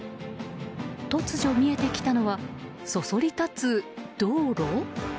突如、見えてきたのはそそり立つ道路？